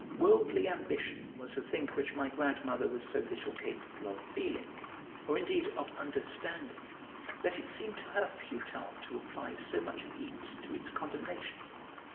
Worldly ambition was a thing which my grandmother was so little capable of feeling, or indeed of understanding, that it seemed to her futile to apply so much heat to its condemnation.